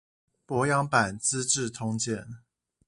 柏楊版資治通鑑